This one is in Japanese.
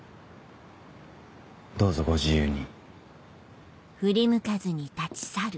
どうぞご自由に。